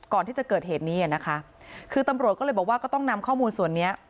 ก่อนที่จะเกิดเหตุนี้อ่ะนะคะคือตำรวจก็เลยบอกว่าก็ต้องนำข้อมูลส่วนเนี้ย